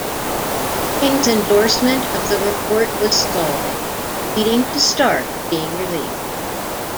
King's endorsement of the report was scalding, leading to Stark being relieved.